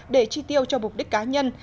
để chi tiêu cho mục đích cá nhân